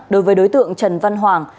đối với đối tượng trần văn hoàng